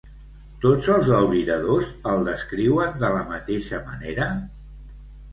Tots els albiradors el descriuen de la mateixa manera?